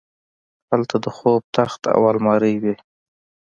هلته د خوب تخت او المارۍ وې